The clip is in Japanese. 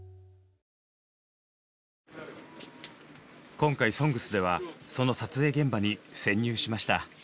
今回「ＳＯＮＧＳ」ではその撮影現場に潜入しました。